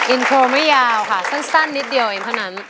อินโทรไม่ยาวค่ะสั้นนิดเดียวเองเท่านั้น